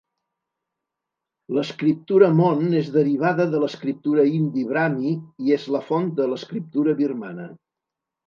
L'escriptura mon és derivada de l'escriptura indi brahmi, i és la font de l'escriptura birmana.